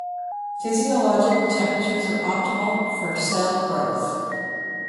Physiological temperatures are optimal for cell growth.